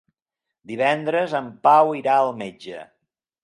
Divendres en Pau irà al metge.